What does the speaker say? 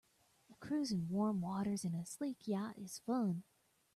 A cruise in warm waters in a sleek yacht is fun.